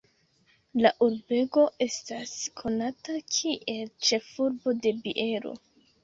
La urbego estas konata kiel "Ĉefurbo de biero".